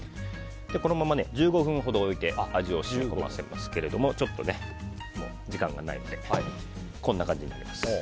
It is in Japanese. このまま１５分ほど置いて味を染み込ませますがちょっと時間がないのでこんな感じになります。